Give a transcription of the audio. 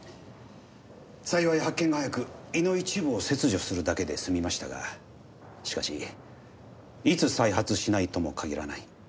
幸い発見が早く胃の一部を切除するだけで済みましたがしかしいつ再発しないとも限らない。